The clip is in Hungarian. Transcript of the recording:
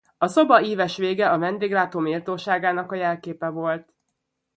A szoba íves vége a vendéglátó méltóságának a jelképe volt.